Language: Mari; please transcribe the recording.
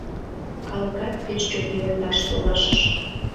Калыкат пеш чот йӧрташ толашыш.